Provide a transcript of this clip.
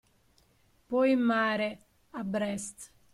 Poi in mare, a Brest